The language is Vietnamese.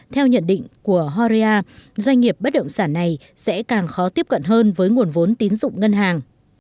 theo nhận định của horea doanh nghiệp bất động sản này sẽ càng khó tiếp cận hơn với nguồn vốn tín dụng ngân hàng